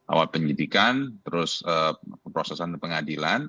awal penyidikan terus prosesan pengadilan